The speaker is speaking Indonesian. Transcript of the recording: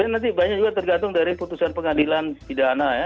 nanti banyak juga tergantung dari putusan pengadilan pidana ya